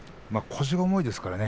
腰が重いですからね